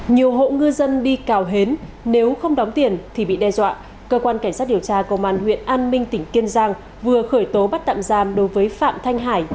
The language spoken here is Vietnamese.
nhiều hộ ngư dân đi cào hến nếu không đóng tiền thì bị đe dọa cơ quan cảnh sát điều tra công an huyện an minh tỉnh kiên giang vừa khởi tố bắt tạm giam đối với phạm thanh hải